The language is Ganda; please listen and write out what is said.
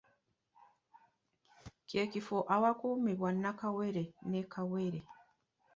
Kye kifo awakuumibwa nnakawere ne kawere.